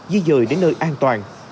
di dời đến nơi an toàn